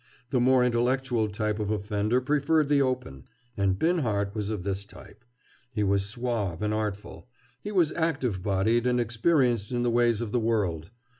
The more intellectual type of offender preferred the open. And Binhart was of this type. He was suave and artful; he was active bodied and experienced in the ways of the world.